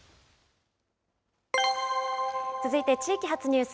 続いて地域発ニュース。